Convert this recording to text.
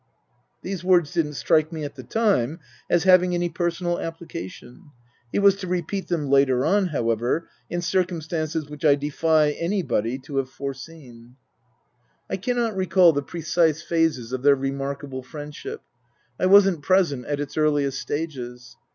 These words didn't strike me at the time as having any personal application. He was to repeat them later on, however, in circumstances which I defy anybody to have foreseen. Book I : My Book 29 I cannot recall the precise phases of their remarkable friendship. I wasn't present at its earliest stages.